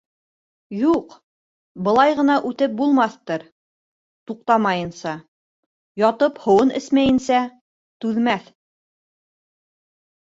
Юҡ, былай ғына үтеп булмаҫтыр, туҡтамайынса, ятып һыуын эсмәйенсә, түҙмәҫ.